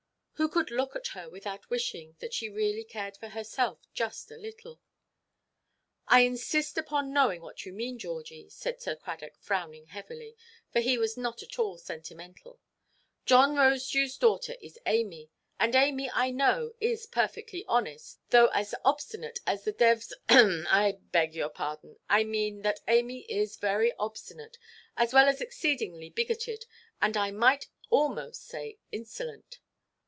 Who could look at her without wishing that she really cared for herself, just a little? "I insist upon knowing what you mean, Georgie," said Sir Cradock, frowning heavily, for he was not at all sentimental; "John Rosedewʼs daughter is Amy; and Amy, I know, is perfectly honest, though as obstinate as the devʼ—hem, I beg your pardon; I mean that Amy is very obstinate, as well as exceedingly bigoted, and I might almost say insolent."